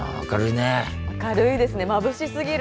明るいですねまぶしすぎる。